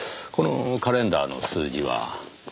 このカレンダーの数字は。